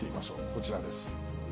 こちらです。